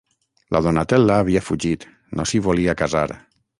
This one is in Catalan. La Donatella havia fugit, no s'hi volia casar.